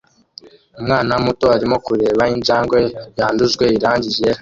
Umwana muto arimo kureba injangwe yandujwe irangi ryera